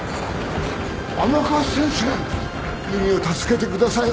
甘春先生由美を助けてください。